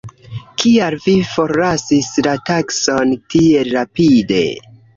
Kial vi forlasis la taskon tiel rapide?